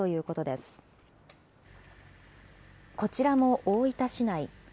こちらも大分市内。